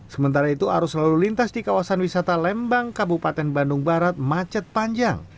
sementara itu arus lalu lintas di kawasan wisata lembang kabupaten bandung barat macet panjang